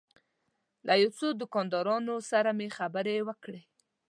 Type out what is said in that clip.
له یو څو دوکاندارانو سره مې خبرې وکړې.